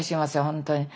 本当に。